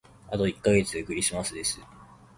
あと一ヶ月でクリスマスです。